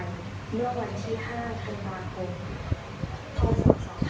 เมื่อวันที่๕ธันวาคมพศ๒๕๕๙